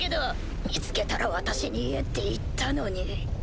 見つけたら私に言えって言ったのに。